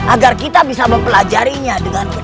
agar kita bisa mempelajarinya dengan baik